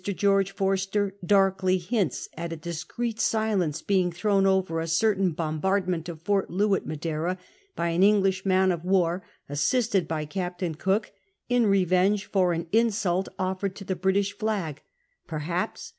George Forster darkly hints at a discreet silence being thrown over a certain bombardment of Fort Loo at Madeira by an English man of war, assisted by Captain Cook, in revenge for an insult offered to the British flag. Perhaps.